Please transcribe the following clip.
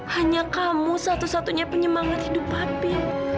hanya kamu satu satunya penyemangat hidup api